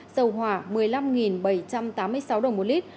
dầu hỏa một mươi năm bảy trăm tám mươi sáu đồng một lít